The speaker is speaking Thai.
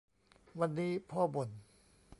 วันนี้พ่อบ่น